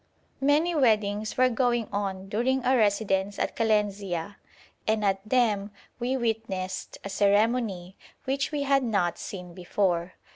Many weddings were going on during our residence at Kalenzia, and at them we witnessed a ceremony which we had not seen before.